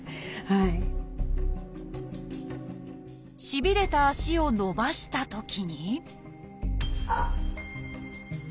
しびれた足を伸ばしたときにあっ！